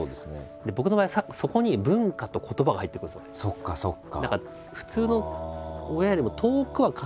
そっかそっか！